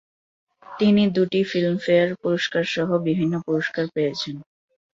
তিনি দুটি ফিল্মফেয়ার পুরস্কার সহ বিভিন্ন পুরস্কার পেয়েছেন।